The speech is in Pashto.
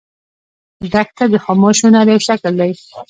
دښته د خاموش هنر یو شکل دی.